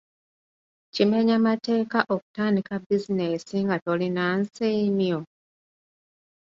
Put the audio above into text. Kimenya mateeka okutandika bizineesi nga tolina nsiimyo?